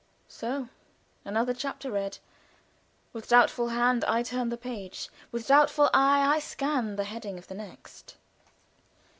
"So! Another chapter read; with doubtful hand I turn the page, with doubtful eye I scan The heading of the next."